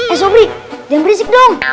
eh sobri jangan berisik dong